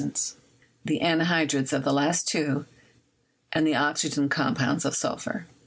e., the anhydrides of the two last — and the oxygen compounds of sulphur.